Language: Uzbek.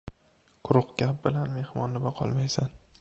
• Quruq gap bilan mehmonni boqolmaysan.